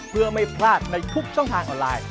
เพื่อไม่พลาดในทุกช่องทางออนไลน์